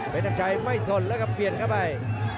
เป็นน้ำชัยไม่สนแล้วครับเปลี่ยนเข้าไป